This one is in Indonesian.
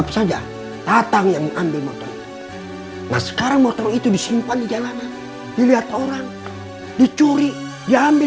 sampai jumpa di video selanjutnya